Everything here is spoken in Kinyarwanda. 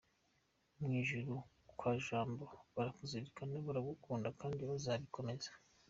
Mw’ijuru kwa Jambo barakuzirikana, baragukunda kandi bazabikomeza.